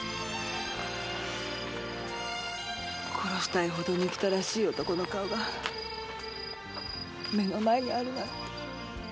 殺したいほど憎たらしい男の顔が目の前にあるなんて。